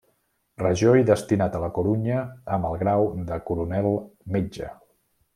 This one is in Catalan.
Regió i destinat a la Corunya amb el grau de coronel metge.